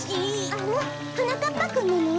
あらはなかっぱくんなの？